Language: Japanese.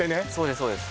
そうです